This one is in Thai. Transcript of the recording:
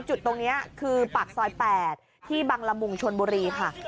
จุดตรงนี้คือปากซอย๘ที่บังละมุงชนบุรีค่ะ